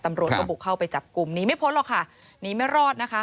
ตำรวจก็บุกเข้าไปจับกลุ่มหนีไม่พ้นหรอกค่ะหนีไม่รอดนะคะ